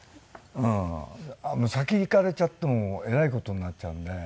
先逝かれちゃってもえらい事になっちゃうんで。